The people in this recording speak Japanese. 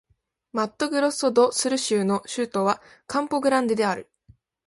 マットグロッソ・ド・スル州の州都はカンポ・グランデである